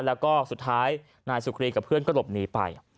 แล้วก็สุดท้ายนายสุครีกับเพื่อนก็หลบหนีไป